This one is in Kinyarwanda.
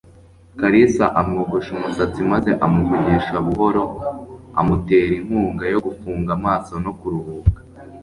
Kalisa amwogosha umusatsi maze amuvugisha buhoro, amutera inkunga yo gufunga amaso no kuruhuka.